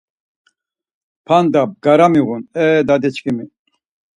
P̌anda bgara miğun, e dadiçkimi